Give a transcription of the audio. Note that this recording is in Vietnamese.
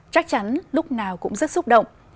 chắc chắn lúc nào cũng rất xúc động